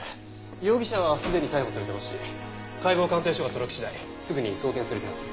容疑者はすでに逮捕されてますし解剖鑑定書が届き次第すぐに送検する手はずです。